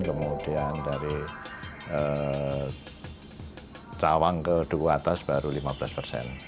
kemudian dari cawang ke tuguatas baru lima belas persen